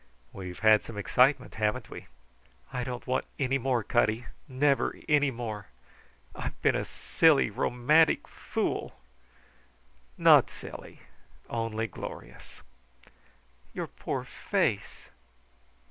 We've had some excitement, haven't we?" "I don't want any more, Cutty; never any more. I've been a silly, romantic fool!" "Not silly, only glorious." "Your poor face!"